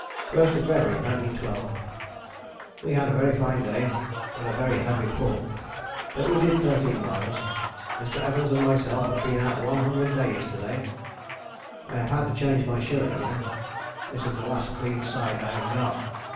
1st February 1912. We had a very fine day but a very heavy pull, but we did 13 miles. Mr. Evans and myself have been out 100 days to day. I have had to change my shirt again. This is the last clean side I have got.